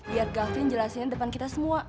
biar gavin jelasin depan kita semua